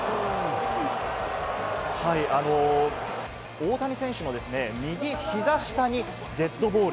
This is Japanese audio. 大谷選手も右膝下にデッドボール。